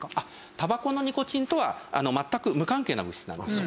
タバコのニコチンとは全く無関係な物質なんです。